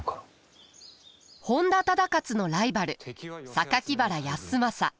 本多忠勝のライバル原康政。